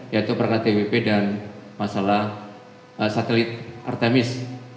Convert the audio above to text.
yaitu perkara twp dan masalah satelit artemis